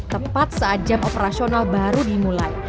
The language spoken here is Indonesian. tepat saat jam operasional baru dimulai